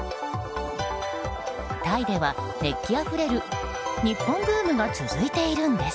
タイでは熱気あふれる日本ブームが続いているんです。